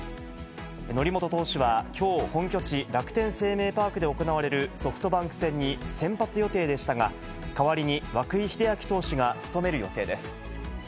則本投手はきょう本拠地、楽天生命パークで行われるソフトバンク戦に先発予定でしたが、代わりに涌井秀章投手が務める予定です。